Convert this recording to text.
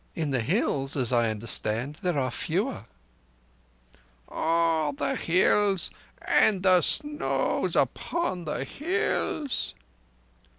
In the Hills, as I understand, there are fewer." "Oh! the Hills, and the snows upon the Hills."